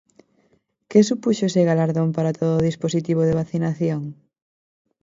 Que supuxo ese galardón para todo o dispositivo de vacinación?